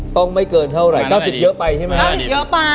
ต้องไม่เกินเท่าไหร่๙๐เยอะไปใช่มั้ย